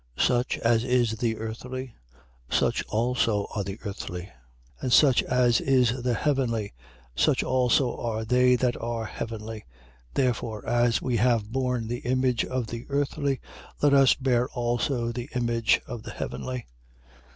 15:48. Such as is the earthly, such also are the earthly: and such as is the heavenly, such also are they that are heavenly. 15:49. Therefore, as we have borne the image of the earthly, let us bear also the image of the heavenly.